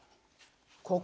ここ。